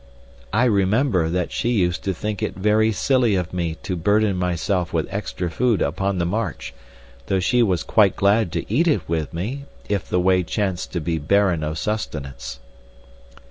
"I remember that she used to think it very silly of me to burden myself with extra food upon the march, though she was quite glad to eat it with me, if the way chanced to be barren of sustenance."